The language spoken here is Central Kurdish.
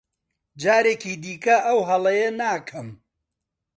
جارێکی دیکە ئەو هەڵەیە ناکەم.